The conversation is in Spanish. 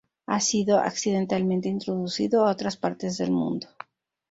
Ha sido accidentalmente introducido a otras partes del mundo.